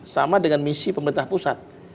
sama dengan misi pemerintah pusat